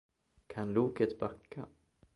Kan loket backa?